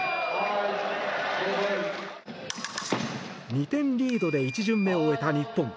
２点リードで１巡目を終えた日本。